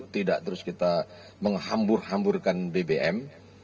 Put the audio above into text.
tidak terus kita menghambur hamburkan bbm